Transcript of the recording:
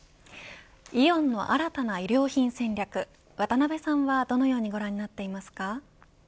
イオンの新たな衣料品戦略渡辺さんはどのようにご覧になっていますか。